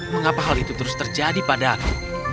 mengapa hal itu terus terjadi padaku